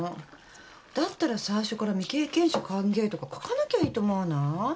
だったら最初から「未経験者歓迎」とか書かなきゃいいと思わない？